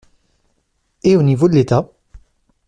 Et au niveau de l’État?